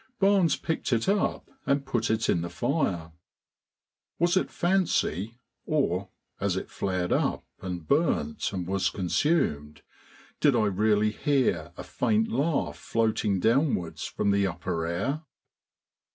Barnes picked it up and put it in the fire. Was it fancy or, as it flared up, and burnt and was consumed, did I really hear a faint laugh floating downwards from the upper air?